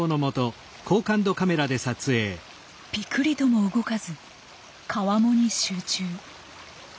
ピクリとも動かず川面に集中。